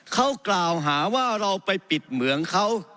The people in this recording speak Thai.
เขากล่าวหาว่าเราไปปิดเหมืองเขา